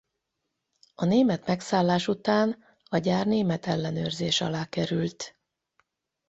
A német megszállás után a gyár német ellenőrzés alá került.